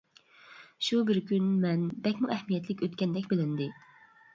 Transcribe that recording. شۇ بىر كۈن مەن بەكمۇ ئەھمىيەتلىك ئۆتكەندەك بىلىندى.